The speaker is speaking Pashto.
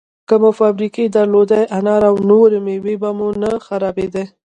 که مو فابریکې درلودی، انار او نورې مېوې به مو نه خرابېدې!